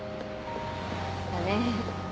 だね。